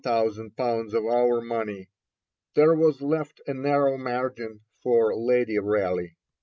_ of our money; there was left a narrow margin for Lady Raleigh.